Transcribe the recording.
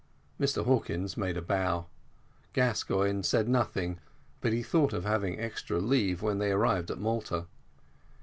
Mr Hawkins made a bow. Gascoigne said nothing, but he thought of having extra leave when they arrived at Malta.